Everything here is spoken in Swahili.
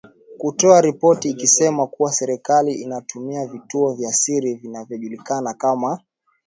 kutoa ripoti ikisema kuwa serikali inatumia vituo vya siri vinavyojulikana kama